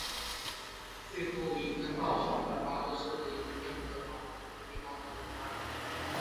最后一根稻草则是在巴登设置了一位天主教地方行政官。